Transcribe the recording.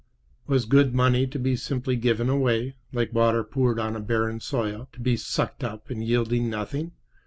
Was good money to be simply given away, like water poured on a barren soil, to be sucked up and yield nothing?